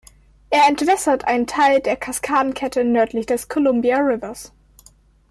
Er entwässert einen Teil der Kaskadenkette nördlich des Columbia Rivers.